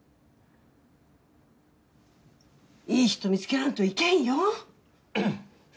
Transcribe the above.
いい人見つけらんといけんよ？